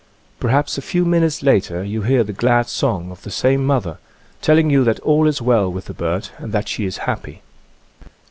Perhaps a few minutes later you hear the glad song of the same mother, telling you that all is well with the bird and that she is happy.